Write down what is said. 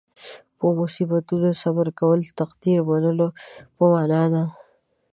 په مصیبتونو صبر کول د تقدیر منلو په معنې ده.